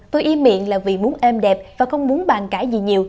tôi y miệng là vì muốn êm đẹp và không muốn bàn cãi gì nhiều